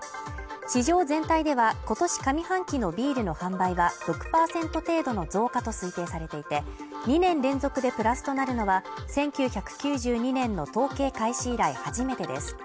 市場全体では、今年上半期のビールの販売は６％程度の増加と推定されていて、２年連続でプラスとなるのは１９９２年の統計開始以来初めてです。